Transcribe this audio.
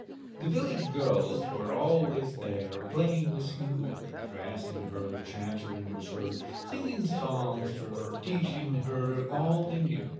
The village girls were always there playing with Snyegurka, dressing her, chattering with her, singing songs to her, teaching her all they knew.